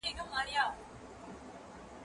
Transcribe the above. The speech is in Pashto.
زه پرون د کتابتوننۍ سره خبري وکړې،